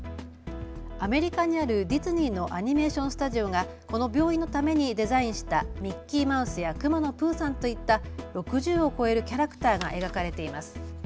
アメリカにあるディズニーのアニメーションスタジオがこの病院のためにデザインしたミッキーマウスやくまのプーさんといった６０を超えるキャラクターが描かれています。